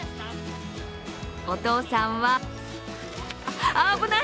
お父さんは危ない！